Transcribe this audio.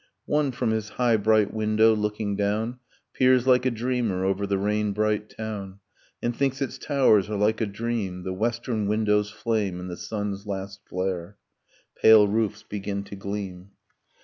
One, from his high bright window, looking down, Peers like a dreamer over the rain bright town, And thinks its towers are like a dream. The western windows flame in the sun's last flare, Pale roofs begin to gleam.